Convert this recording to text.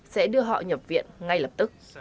sẽ đưa họ nhập viện ngay lập tức